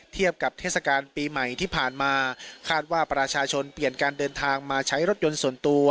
เทียบกับเทศกาลปีใหม่ที่ผ่านมาคาดว่าประชาชนเปลี่ยนการเดินทางมาใช้รถยนต์ส่วนตัว